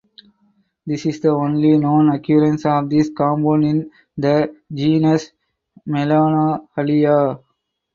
This is the only known occurrence of this compound in the genus "Melanohalea".